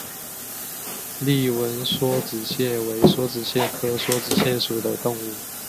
丽纹梭子蟹为梭子蟹科梭子蟹属的动物。